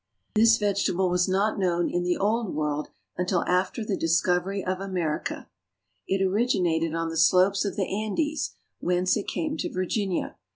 This vegetable was not known in the old world until after the discovery of America. It originated on the slopes of CARP. EUROPE 2 20 IRELAND. the Andes, whence it came to Virginia.